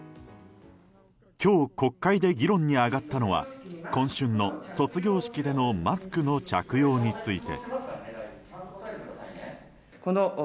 今日、国会で議論に上がったのは今春の卒業式でのマスクの着用について。